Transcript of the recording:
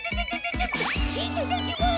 いただきます！